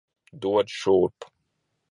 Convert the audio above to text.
Dod šurp!